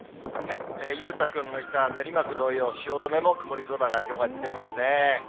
裕太君のいた練馬区同様、汐留も曇り空が広がっていますね。